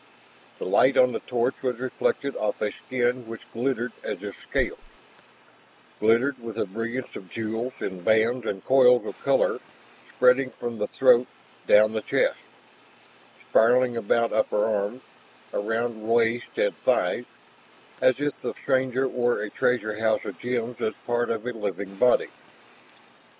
The light on the torch was reflected off a skin which glittered as if scaled, glittered with the brilliance of jewels in bands and coils of color spreading from the throat down the chest, spiraling about upper arms, around waist and thighs, as if the stranger wore a treasure house of gems as part of a living body.